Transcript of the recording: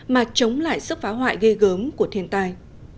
mà chống lại sức phá hoại ghê gớm của thiên tai